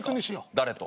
誰と？